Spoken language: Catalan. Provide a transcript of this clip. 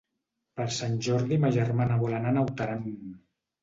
Per Sant Jordi ma germana vol anar a Naut Aran.